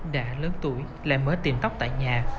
đã lớn tuổi lại mới tìm tóc tại nhà